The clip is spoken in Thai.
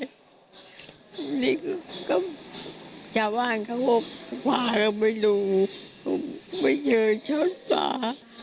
ทีนี้ก็ก็ชาวบ้านเขาพาเราไปดูไม่เจอช้อนป่า